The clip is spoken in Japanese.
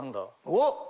おっ！